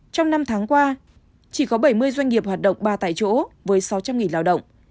trong năm tháng qua chỉ có bảy mươi doanh nghiệp hoạt động ba tại chỗ với sáu trăm linh lao động